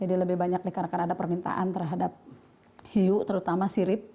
jadi lebih banyak karena ada permintaan terhadap iu terutama sirip